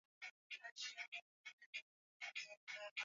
Kabla ya ukoloni na mipaka kutengwa jambo lililowachanganya